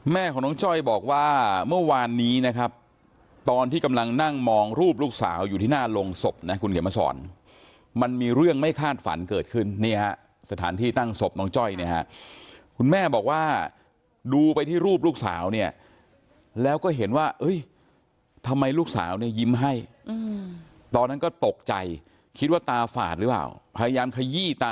แม่ของน้องจ้อยบอกว่าเมื่อวานนี้นะครับตอนที่กำลังนั่งมองรูปลูกสาวอยู่ที่หน้าโรงศพนะคุณเขียนมาสอนมันมีเรื่องไม่คาดฝันเกิดขึ้นนี่ฮะสถานที่ตั้งศพน้องจ้อยเนี่ยฮะคุณแม่บอกว่าดูไปที่รูปลูกสาวเนี่ยแล้วก็เห็นว่าทำไมลูกสาวเนี่ยยิ้มให้ตอนนั้นก็ตกใจคิดว่าตาฝาดหรือเปล่าพยายามขยี้ตา